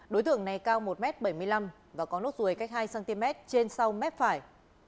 đối tượng này cao một m bảy mươi năm và có nốt ruồi cách hai cm trên sau mép phải